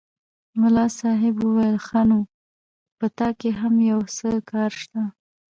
ملا صاحب وویل ښه! نو په تا کې هم یو څه کار شته.